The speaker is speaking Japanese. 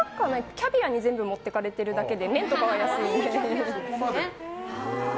キャビアに全部持っていかれてるだけで麺とかは安い。